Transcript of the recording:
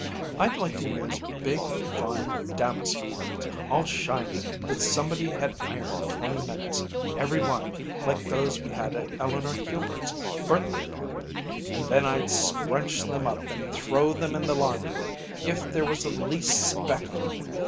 I'd like to use big, fine damask ones, all shiny, that somebody had ironed twenty minutes, every one, like those we had at Eleanor Hubert's birthday party. And then I'd scrunch them up and throw them in the laundry if there was the least speck on them."